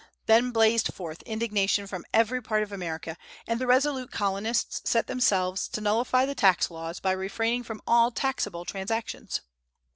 Then blazed forth indignation from every part of America, and the resolute Colonists set themselves to nullify the tax laws by refraining from all taxable transactions.